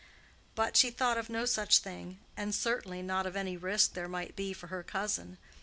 But she thought of no such thing, and certainly not of any risk there might be for her cousin.